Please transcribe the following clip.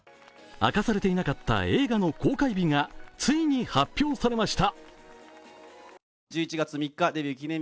明かされていなかった映画の公開日がついに発表されました。